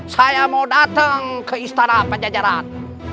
saya mau datang ke istana pajajaran